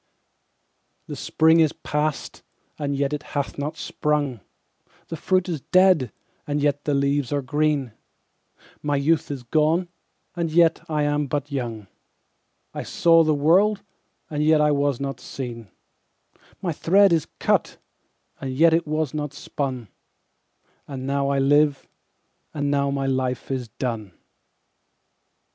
7The spring is past, and yet it hath not sprung,8The fruit is dead, and yet the leaves are green,9My youth is gone, and yet I am but young,10I saw the world, and yet I was not seen,11My thread is cut, and yet it was not spun,12And now I live, and now my life is done.